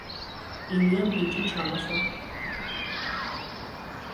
ილიამ ბიჭი ჩამოსვა.